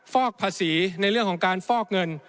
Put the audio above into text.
ฟอกภาษีในเรื่องของการฟอกเงิน